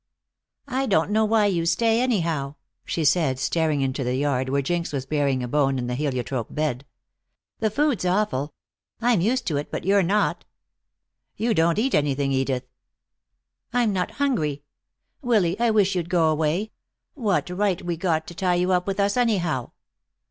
"I don't know why you stay anyhow," she said, staring into the yard where Jinx was burying a bone in the heliotrope bed. "The food's awful. I'm used to it, but you're not." "You don't eat anything, Edith." "I'm not hungry. Willy, I wish you'd go away. What right we got to tie you up with us, anyhow?